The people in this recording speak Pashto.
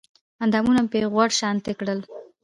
اندامونه مې پرې غوړ شانتې کړل